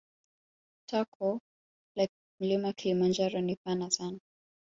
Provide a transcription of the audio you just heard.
Tako la mlima kilimanjaro ni pana sana